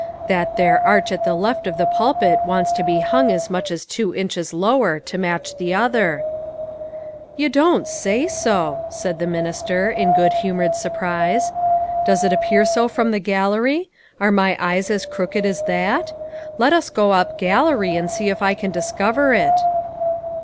That there arch at the left of the pulpit wants to be hung as much as two inches lower to match the other." THE CONCERT. 259 " You don't say so !" said the minister, in .good humored surprise. " Does it appear so from the gallery ? Are my eyes as crooked as that ? Let us go up gallery and see if I can dis cover it."